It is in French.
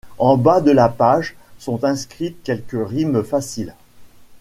Au bas de la page sont inscrites quelques rimes faciles.